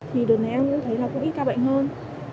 thì đợt này em cũng thấy là cũng ít ca bệnh hơn